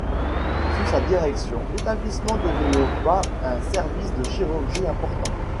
Sous sa direction, l’établissement développa un service de chirurgie important.